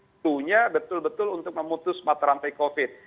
itunya betul betul untuk memutus mata rantai covid